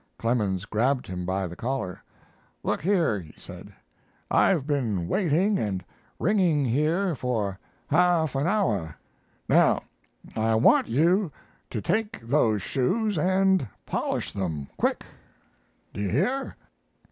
Clemens grabbed him by the collar. "Look here," he said, "I've been waiting and ringing here for half an hour. Now I want you to take those shoes, and polish them, quick. Do you hear?"